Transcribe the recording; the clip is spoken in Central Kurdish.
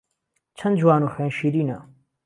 چەن جوان و خوێن شیرینە